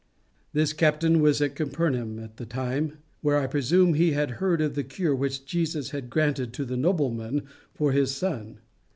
This captain was at Capernaum at the time, where I presume he had heard of the cure which Jesus had granted to the nobleman for his son.